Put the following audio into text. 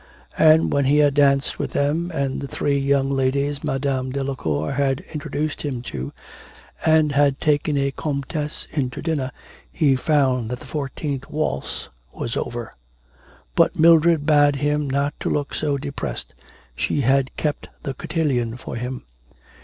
And, when he had danced with them and the three young ladies Madame Delacour had introduced him to, and had taken a comtesse into supper, he found that the fourteenth waltz was over. But Mildred bade him not to look so depressed, she had kept the cotillion for him.